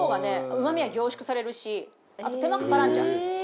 うまみが凝縮されるしあと手間かからんじゃん。